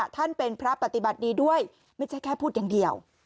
ท่านเป็นพระปฏิบัติดีด้วยไม่ใช่แค่พูดอย่างเดียว